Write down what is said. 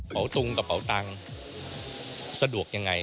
เปาตรงกับเปาตังสะดวกอย่างไร